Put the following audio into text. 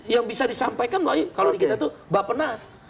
yang bisa disampaikan kalau di kita itu bapak penas